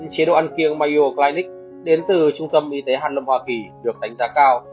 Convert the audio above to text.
chế độ ăn kiêng mayo clinic đến từ trung tâm y tế hàn lâm hoa kỳ được tánh dựng